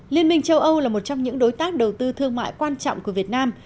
liên minh châu âu là một trong những đối tác đầu tư thương mại quan trọng của việt nam